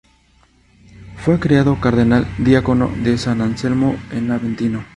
Fue creado cardenal diácono de San Anselmo en Aventino.